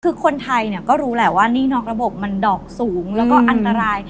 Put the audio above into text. คือคนไทยเนี่ยก็รู้แหละว่าหนี้นอกระบบมันดอกสูงแล้วก็อันตราย